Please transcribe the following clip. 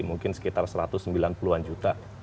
mungkin sekitar satu ratus sembilan puluh an juta